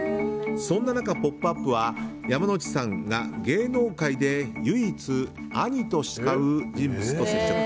そんな中、「ポップＵＰ！」は山之内さんが芸能界で唯一、兄と慕う人物と接触。